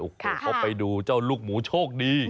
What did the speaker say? โอ้โหเขาไปดูเจ้าลูกหมูโชคดี